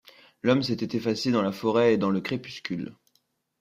L’homme s’était effacé dans la forêt et dans le crépuscule.